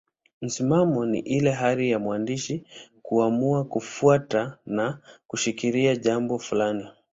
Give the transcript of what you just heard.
Msimamo ni ile hali ya mwandishi kuamua kufuata na kushikilia jambo fulani.